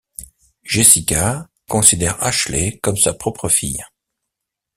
Jessica considère Ashley comme sa propre fille.